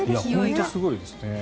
本当にすごいですね。